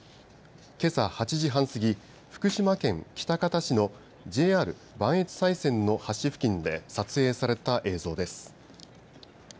けさ８時半過ぎ福島県喜多方市のＪＲ磐越西線の橋付近で撮影された映像です。